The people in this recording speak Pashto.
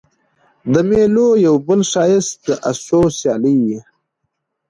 د مېلو یو بل ښایست د آسو سیالي يي.